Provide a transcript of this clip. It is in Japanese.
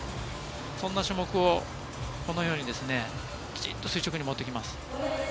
飛んだ種目は、このようにきちんと垂直にもってきます。